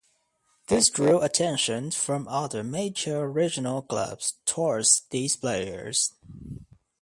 This drew attention from other major regional clubs towards these players.